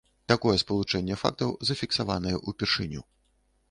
Такое спалучэнне фактаў зафіксаванае ўпершыню.